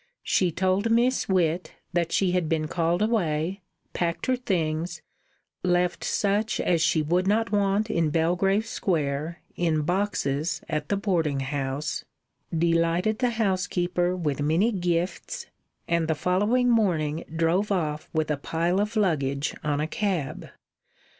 She told Miss Witt that she had been called away, packed her things, left such as she would not want in Belgrave Square in boxes at the boarding house, delighted the housekeeper with many gifts, and the following morning drove off with a pile of luggage on a cab.